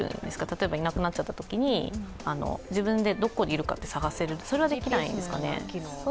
例えばいなくなっちゃったときに自分でどこにいるか探すのはできないんですかね？